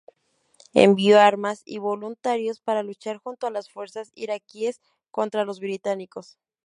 Envió armas y voluntarios para luchar junto a las fuerzas iraquíes contra los británicos.